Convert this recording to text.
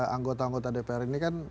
anggota anggota dpr ini kan